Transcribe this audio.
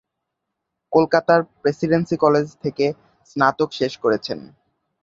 কলকাতার Presidency College থেকে স্নাতক শেষ করেছেন।